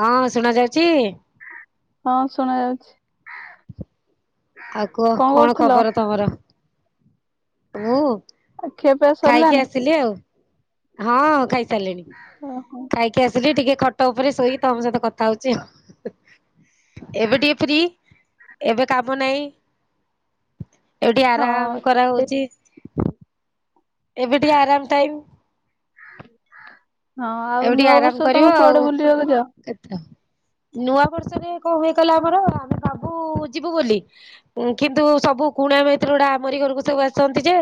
ହଁ ଶୁଣା ଯାଉଛି? ହଁ ଶୁଣା ଯାଉଛି। ଆଉ କୁହ କଣ ଖବର ତମର [inaudible] ମୁଁ। ଆ ଖିଆପିଆ ଖାଇକି ଆସିଲି ଆଉ [inaudible] ହଁ ଖାଇସାରିଲିଣି। ହା ହୋ। ଖାଇକି ଆସିଲି ଟିକେ ଖଟ ଉପରେ ଶୋଇ ତମ ସହିତ କଥା ହେଉଛି ଆଉ। ଏବେ ଟିକେ ଫ୍ରୀ ଏବେ କାମ ନାହିଁ। ଏଠି ହଁ ଆରାମ୍ କରା ଏ ହେଉଛି। ଏବେ ଟିକେ ଆରାମ୍ ଟାଇମ୍। ହଁ ଆଉ ନୂଆବର୍ଷ ତମେ କୁଆଡେ ବୁଲିବାକୁ ଯାଅ? କେତ୍ଟା ନୂଆ ବର୍ଷରେ କଣ ହୁଏ ଆମର ଆମେ ଭାବୁ ଯିବୁ ବୁଲି ଏ କିନ୍ତୁ ସବୁ କୁଣିଆ ମୈତ୍ର ଗୁଡା ଆମରି ଘରକୁ ସବୁ ଆସିନ୍ତି ଯେ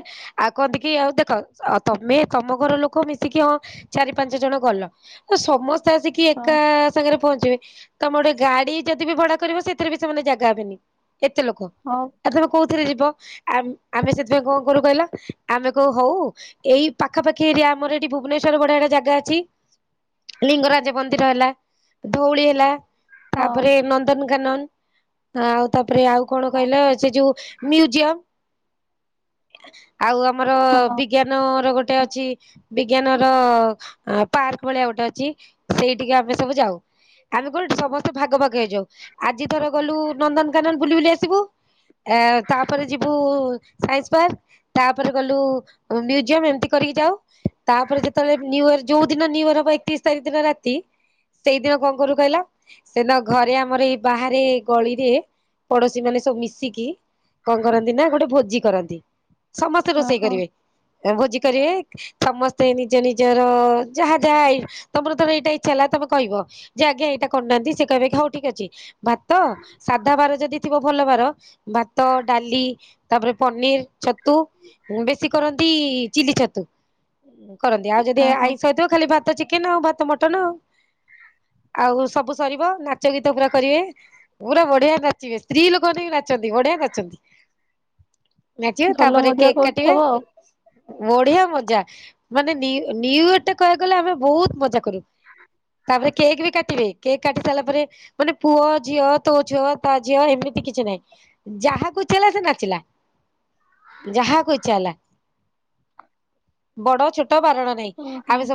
ଆଉ କହନ୍ତି କି ଆଉ ଦେଖ ଆଉ ତମେ ତମ ଘର ଲୋକ ମିଶିକି ହଁ ଚାରି ପାଞ୍ଚ୍ ଞ୍ଚେ ଜଣ ଗଲ ଏ ସମସ୍ତେ ଆସିକି ଏକା ହଁ ସାଙ୍ଗେରେ ପହଞ୍ଚିବେ ତମେ ଗୋଟେ ଗାଡି ଯଦି ବି ଭଡା କରିବ ସେଥିରେ ବି ସେମାନେ ଜାଗା ହେବେନି ଏତେ ଲୋକ। ହଁ। ଆ ତମେ କୋଉଥିରେ ଯିବ ଆମ୍ ଆମେ ସେଥିପାଇଁ ଙ୍କ କରୁ କହିଲା ଆମେ କଉ ହଉ ଏଇ ପାଖା ପାଖି ଏରିଆ ଆମର ଏଠି ଭୁବନେଶ୍ୱର୍ ବଢିଆ ବଢିଆ ଜାଗା ଚି ଲିଙ୍ଗରାଜ୍ ମନ୍ଦିର ହେଲା ଧଉଳି ହେଲା ହଁ ତାପରେ ନନ୍ଦନ୍କାନନ୍ ଆଉ ତାପରେ ଆଉ କଣ କହିଲ ସେ ଯଉ ମ୍ୟୁଜିୟମ୍ ଆଉ ଆମର ହଁ ବିଜ୍ଞାନ ର ଗୋଟେ ଅଛି ବିଜ୍ଞାନ ର ଆ ପାର୍କେ ଭଳିଆ ଗୋଟେ ଅଛି ସେଇଠିକି ଆମେ ସବୁ ଯାଉ। ଆମେ କହିଲୁ ସମସ୍ତେ ଭାଗ ଭାଗ ହେଇଯାଉ ଆଜି ଥର ଗଲୁ ନନ୍ଦନ୍ କାନନ୍ ବୁଲି ବୁଲି ଆସିବୁ। ଏଆଉ ତା ପରେ ଯିବୁ ସାଇସ୍ ପାର୍କ୍। ତାପରେ ଗଲୁ ମ୍ୟୁଜିୟମ୍ ଏମ୍ତି କରିକି ଯାଉ ତାପରେ ଯେତେବେଳେ ନିୟର୍ ଯୋଉ ଦିନ ନିଉ ୟର୍ ବାଇକ୍ ଟି ସେଇ ଦିନ ରାତି ସେଇଦିନ କଣ କରୁ କହିଲ? ସେ ଦିନ ଘରେ ଆମର ଏଇ ବାହାରେ ଗଳିରେ ପଡଶୀ ମାନେ ସବୁ ମିଶିକି ଙ୍କ କରନ୍ତି ନା ଗୋଟେ ଭୋଜି କରତି। ସମସ୍ତେ ରୋଷେଇ ଓହୋ କରିବେ ଏ ଭୋଜି କରିବେ ସମସ୍ତେ ନିଜ ନିଜର ଯାହା ଯାହା ଏଇ ତମର୍ ତ ଏଇଟା ଇଚ୍ଛା ହେଲା ତମେ କହିବ ଯେ ଆଜ୍ଞା ଏଇଟା କର୍ନାହାନ୍ତି ସେ କହିବେ କି ହଉ ଠିକ୍ ଅଛି। ଭାତ ସାଧା ବାର ଯଦି ଥିବ ଭଲ ବାର ଭାତ, ଡାଲି ତାପରେ ପନିର୍ ଛତୁ ବେଶୀ କରନ୍ତି ଚିଲି ଛତୁ କରନ୍ତି ଆଉ ଯଦି ଓହୋ ଆଇ ହେଇଥିବ ଖାଲି ଭାତ, ଚିକେନ୍ ଆଉ ଭାତ, ମଟନ ଆଉ ଆଉ ସବୁ ସରିବ ନା ଚ ଗୀତ ପୁରା କରିବେ ପୁରା ବଢିଆ ନାଚିବେ ସ୍ତ୍ରୀ ଲୋକମାନେ ବି ନାଚନ୍ତି ବଢିଆ ନାଚନ୍ତି। ନାଚିବେ ଭଲ ତାପରେ ମଜା କେକ୍ କାଟିବେ। କରୁଥିବ ଆଉ। ବଢିଆ ମଜା ମାନେ ନି ନିୟୁଟେ ଟା କହିବାକୁ ଗଲେ ଆମେ ବହୁତ୍ ମଜା କରୁ। ତାପରେ କେକ୍ ବି କାଟିବେ କେକ୍ କାଟି ସାର୍ଲା ପରେ ମାନେ ପୁଅ ଝିଅ ତୋ ଝିଅ ତା ଝିଅ ଏମିତି କିଛି ନାହିଁ। ଯାହାକୁ ଇଚ୍ଛା ହେଲା ସେ ନାଚିଲା ଯାହାକୁ ଇଚ୍ଛା ହେଲା। ବଡ ଛୋଟ ବାରଣ ନାଇଁ।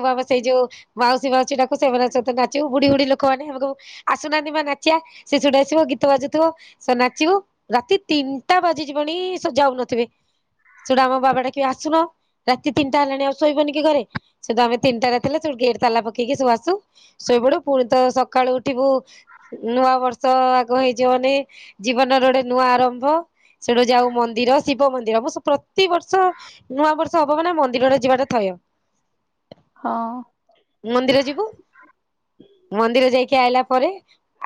ଆମ ସେଇ ଯୋଉ ମାଉସୀ ମାଉସୀ ଡାକୁ ସେମାନଙ୍କ ସହିତ ନାଚିବୁ ବୁଢୀ ବୁଢୀ ଲୋକମାନେ ଆମକୁ। ଆସୁନାହାନ୍ତି ମା ନାଚିବା ସେ ଶୁଡି ଆସିବ ଗୀତ ବାଜୁଥିବ। ସେ ନାଚିବୁ ରାତି ତିନ୍ଟା ବାଜିଯିବଣି ସେ ଯାଉନଥିବେ। ସେଇଟା ଆମ ବାବା ଡାକିବେ ଆସୁନ ରାତି ତିନ୍ଟା ହେଲାଣି ଆଉ ଶୋଇବନି କି ଘରେ। ସେଠୁ ଆମେ ତିନ୍ଟା ଆସିଲେ ସବୁ ଗେଟ୍ ତାଲା ପକେଇକି ସବୁ ଆସୁ ଶୋଇପଡୁ ପୁଣି ତ ସକାଳୁ ଉଠିବୁ ନୂଆ ବର୍ଷ ଆଗ ହେଇଚି ବୋଲି ଜୀବନର ଗୋଟେ ନୂଆ ଆରମ୍ଭ ସେଠୁ ଯାଉ ମନ୍ଦିର ଶିବ ମନ୍ଦିର ମୁଁ ସତ ତି ବର୍ଷ ନୂଆ ବର୍ଷ ହବ ମାନେ ମନ୍ଦୀରଟା ଯିବା ଟା ଥୟ। ହଁ। ମନ୍ଦିର ଯିବୁ ମନ୍ଦିର ଯାଇକି ଆଇଲା ପରେ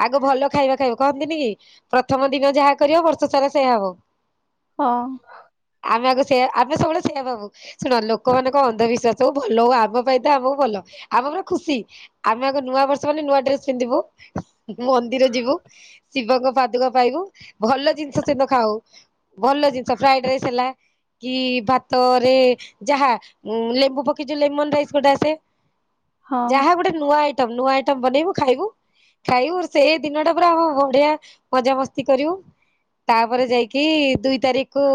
ଆଗ ଭଲ ଖାଇବା ଖାଇବୁ। କହନ୍ତିନି କି ପ୍ରଥମ ଦିନ ଯାହା କରିବ ବର୍ଷ ସାରା ସେଇୟା ହବ। ହଁ। ଆମେ ଆଗ ସେୟା ଆମେ ସବୁଵେଳେ ସେୟା ଭାବୁ। ଶୁଣ ଲୋକ ମାନଙ୍କ ଅନ୍ଧ ବିଶ୍ୱାସ ହୋଉ ଭ ଲୋ ଆମ ପାଇଁ ତ ଆମକୁ ଭଲ ଆମେ ପୁରା ଖୁସି। ଆମେ ଆଗ ନୂଆ ବର୍ଷ ବୋଲି ନୂଆ ଡ୍ରେସ୍ ପିନ୍ଧିବୁ ମନ୍ଦିର ଯିବୁ। ଶିବଙ୍କ ପାଦୁକ ପାଇବୁ ଭଲ ଜିନିଷ ସେଦିନ ଖାଉ। ଭଲ ଜିନିଷ ଫ୍ରାଏ ଡ୍ରାଇସ୍ ହେଲା କି ଭାତରେ ଯାହା ଉଁ, ଲେମ୍ବୁ ପ କିଛି ଲେମନ୍ ରାଇସ୍ ଗୋଟେ ଆସେ, ହଁ ଯାହା ଗୋଟେ ନୂଆ ଆଇଟମ୍ ନୂଆ ଆଇଟମ୍ ବନେଇବୁ ଖାଇବୁ। ଖାଇବୁ ସେଇ ଦିନ ଟା ପୁରା ଆମ ବଢିଆ ମଜା ମସ୍ତି କରିବୁ। ତାପରେ ଯାଇକି ଦୁଇ ତାରିକୁ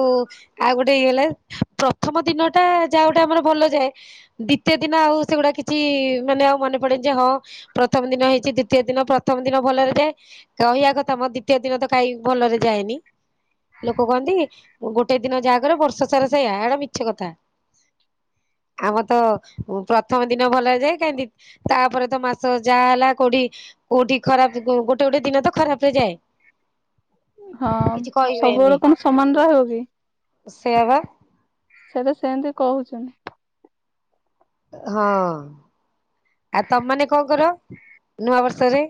ଆଉ ଗୋଟେ ଇଏ ହେଲା ପ୍ରଥମ ଦିନ ଟା ଯା ହଉ ଗୋଟେ ଆମର ଭଲ ଯାଏ। ଦ୍ୱିତୀୟ ଦିନ ଆଉ ସେଗୁଡା କିଛି ମାନେ ଆଉ ମନେ ପଡେ ନି ଯେ ହଁ ପ୍ରଥମ ଦିନ ହେଇଛି ଦ୍ଵିତୀୟ ଦିନ ପ୍ରଥମ ଦିନ ଭଲରେ ଯାଏ। କହିବା କଥା ମୋ ଦ୍ୱିତୀୟ ଦିନ ତ କାଇଁ ଭଲରେ ଯାଏନି। ଲୋକ କହନ୍ତି ଗୋଟେ ଦିନ ଯାଆ କରିବ ବର୍ଷ ସାରା ସେଇୟା ଏଟା ମିଛ କଥା। ଆମ ତ ଉଁ, ପ୍ରଥମ ଦିନ ଭଲରେ ଯାଏ କାଇଁ ଦି ତାପରେ ତ ମାସ ଯା ହେଲା କୋଉଠି କୋଉଠି ଖରାପ ଗୋ-ଗୋଟେ ଗୋଟେ ଦିନ ତ ଖରାପ ରେ ଯାଏ। ହଁ କିଛି କହିବେନି ସବୁବେଳେ କଣ ସମାନ ରହିବ କି? ସେଇଆ ବା ସେଟା ସେମିତି କହୁଛନ୍ତି। ହଁ, ଆଉ ତୋମମାନେ କଣ କର ନୂଆ ବର୍ଷରେ?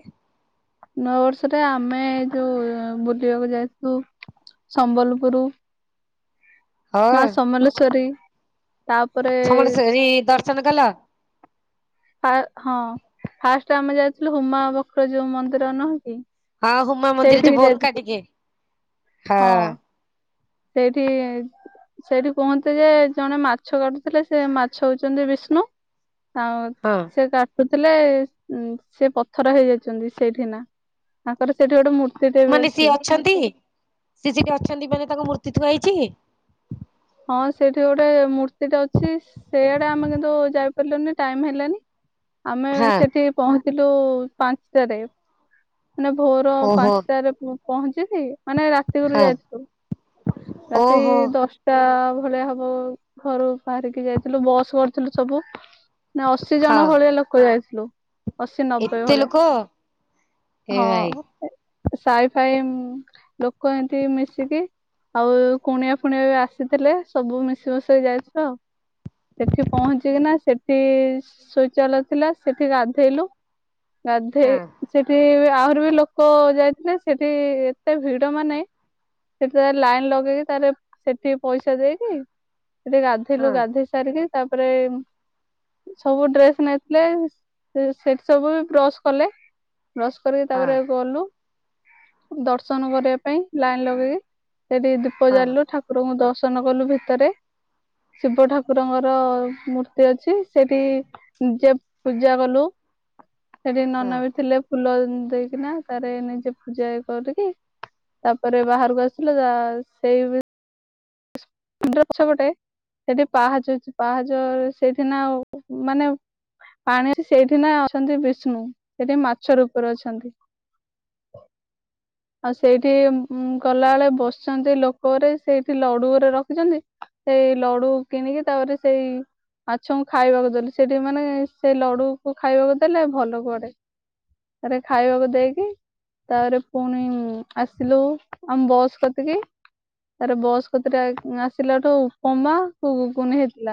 ନୁଆବର୍ଷରେ ଆମେ ଯୋଉ ବୁଲିବାକୁ ଯାଇଥିଲୁ ସମ୍ବଲପୁରୁ। ହଁ ମା ସମଲେଶ୍ଵରୀ ତା ସମଲେଶ୍ୱରୀ ଦର୍ଶନ କଲ? ଆ, ହଁ ଫାଷ୍ଟ ଆମେ ଯାଇଥିଲୁ ହୁମା ବକ୍ର ଯୋଉ ମନ୍ଦିର ନୁହଁ କି? ହଁ ହୁମା ମନ୍ଦିର ଯୋଉ ସେଇଠିକି ବଙ୍କା ଯାଇଥିଲୁ ଟିକେ ହଁ। ସେଇଠି ସେଇଠି କୁହନ୍ତି ଯେ ଜଣେ ମାଛ ଧରିଥିଲେ ସେ ମାଛ ହୋଉଚନ୍ତି ବିଷ୍ଣୁ। ଆଉ ହଁ। ସେ କାଟୁଥିଲେ ଉଁ, ସେ ପଥର ହେଇଯାଇଚନ୍ତି ସେଇଠି ନା। ତାଙ୍କର ସେଇଠି ଗୋଟେ ମୂର୍ତ୍ତି ଟେ ବି ଅଛି। ଟି ସିଏ ସେଠି ଅଛନ୍ତି ମାନେ ତାଙ୍କ ମୂର୍ତ୍ତି ଥୁଆ ହେଇଛି। ହଁ ସେଇଠି ଗୋଟେ ମୂର୍ତ୍ତିଟେ ଅଛି। ସେଇଆଡେ ଆମେ କିନ୍ତୁ ଯାଇପାରିଲୁନି ଟାଇମ ହେଲାନି। ଆମେ ହଁ ସେଠି ପହଞ୍ଚିଲୁ ପାଞ୍ଚଟାରେ। ମାନେ ଭୋର ଓହୋ ପାନ୍ଲଟାରେ [unintelligible] ପହଞ୍ଚିକି ମାନେ ରାତିକୁରୁ ହଁ। ଯାଇଥିଲୁ ରାତି ଓହୋ ଦଶ ଟା ଭଳିଆ ହବ ଘରୁ ବାହାରିକି ଯାଇଥିଲୁ ବସ୍ କରିଥିଲୁ ସବୁ। ନା ଅଶୀ ହଁ ଜଣ ଭଳିଆ ଲୋକ ଯାଇଥିଲୁ ଅଶୀ ନବେ ଏତେ ଭଳିଆ। ଲୋକ ଏ ହଁ ଭାଇ ଏ ଏ ସାଇ ଫାଇ ଉଁ, ଲୋକ ଏମତି ମିଶିକି ଆଉ କୁଣିଆ ଫୁଣିଆ ବି ଆସ ଆସିଥିଲେ ସବୁ ମିଶି ମାଶି କି ଯାଇଥିଲୁ ଆଉ। ସେଠି ପହଞ୍ଚି କିନା ସେଠି ଶୌଚାଳୟ ଥିଲା ସେଠି ଗାଧେଇଲୁ। ହଁ ଗାଧେଇ ସେଠି ଆହୁରି ବି ଲୋକ କ ଯାଇଥିଲେ ସେଠି ଏତେ ଭିଡ ମାନେ ସେଠି ତ ଲାଇନ୍ ଲଗେଇକି ତାର ସେଠି ପଇସା ଦେଇକି ସେଠି ଗାଧେଇଲୁ ହଁ ଗାଧେଇ ସାରିକି ତାପରେ ସବୁ ଡ୍ରେସ ନେଇଥିଲେ ସେଠ ସବୁ ବି ବ୍ରସ୍ କଲେ। ସ କରିକି ହଁ ତାପରେ ଗଲୁ। ଦର୍ଶନ କରିବା ପାଇଁ ଲାଇନ ଲଗେଇକି ସେଠି ଦୀପ ହଁ ଜାଲିଲୁ ଠାକୁରଙ୍କୁ ଦଶ ଦର୍ଶନ କଲୁ ଭିତରେ ଶିବ ଠାକୁରଙ୍କର ମୂର୍ତ୍ତି ଅଛି ସେଠି ନିଜେ ପୂଜା କଲୁ ସେଠି ହଁ। ନନା ବି ଥିଲେ ଫୁଲ ଦେଇକିନା ତାର ନିଜେ ପୂଜା କରିକି। ତାପରେ ବାହାରକୁ ଆସିଲ ତା ସେଇ [unintelligible] ଗଛ ଗୋଟେ ସେଠି ପାହାଚ ଆଛି ପାହାଚ ସେଇଠିିନ ନାଉ ମାନେ ପାଣି ସେଇଠି ନା ଅଛନ୍ତି ବିଷ୍ଣୁ ସେଠି ମାଛ ରୂପରେ ଅଛନ୍ତି। ଆଉ ସେଇଠି ଉ ଗଲା ବେଳେ ବସିଛନ୍ତି ଲୋକରେ ସେଇଠି ସେଠି ଲଡୁରେ ରଖିଛନ୍ତି ସେଇ ଲଡୁ କିଣିକି ତାପରେ ସେଇ ମାଛ ଙ୍କୁ ଖାଇବାକୁ ଦେଲୁ ସେଠି ମାନେ ସେ ଲଡୁ କୁ ଖାଇବାକୁ ଦେଲେ ଭଲ କୁଆଡେ। ତାପରେ ରେ ଖାଇବାକୁ ଦେଇକି ତାପରେ ପୁଣି ଆସିଲୁ ଆମ ବସ୍ କତିକି ତାପରେ ବସ୍ [unintelligible] ଆସିଲାଠୁ ଉପମା ଘୁଘୁନି ହେଇଥିଲା।